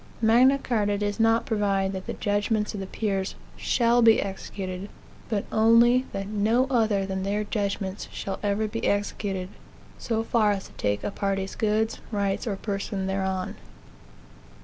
Magna Carta does not provide that the judgments of the peers shall be executed; but only that no other than their judgments shall ever be executed, so far as to take a party's goods, rights, or person, thereon.